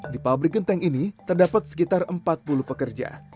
di pabrik genteng ini terdapat sekitar empat puluh pekerja